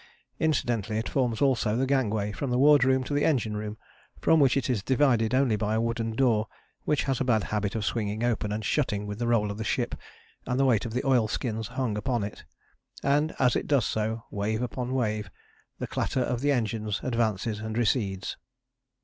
Incidentally it forms also the gangway from the wardroom to the engine room, from which it is divided only by a wooden door, which has a bad habit of swinging open and shutting with the roll of the ship and the weight of the oilskins hung upon it, and as it does so, wave upon wave, the clatter of the engines advances and recedes.